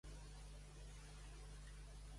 Santa Maria de Montalegre.